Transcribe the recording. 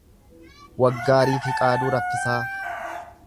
Waggaarii Fiqaaduu Raffisaa